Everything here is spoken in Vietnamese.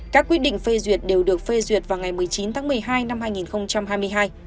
các quyết định phê duyệt đều được phê duyệt vào ngày một mươi chín tháng một mươi hai năm hai nghìn hai mươi hai